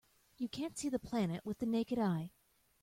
You can't see the planet with the naked eye.